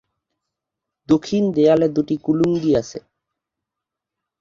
দক্ষিণ দেয়ালে দুটি কুলুঙ্গি আছে।